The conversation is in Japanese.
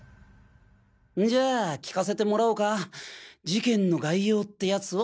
んじゃあ聞かせてもらおうか事件の概要ってヤツを。